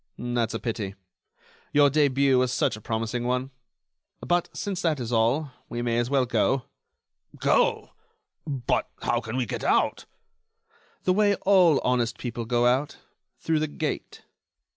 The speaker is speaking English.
"That's a pity. Your début was such a promising one. But, since that is all, we may as well go." "Go! but how can we get out?" "The way all honest people go out: through the gate."